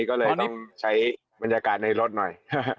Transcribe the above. ก็เลยต้องใช้บรรยากาศในรถหน่อย